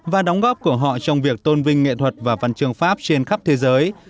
và đóng góp của họ trong việc tôn vinh nghệ thuật và văn trường pháp trên khắp thế giới